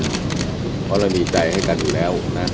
เพราะเราดีใจให้กันอยู่แล้วนะ